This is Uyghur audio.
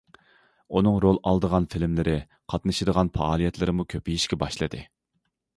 ئۇنىڭ رول ئالىدىغان فىلىملىرى، قاتنىشىدىغان پائالىيەتلىرىمۇ كۆپىيىشكە باشلىدى.